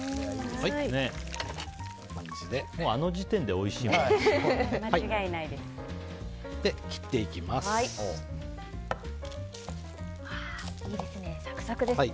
あの時点でおいしいよね。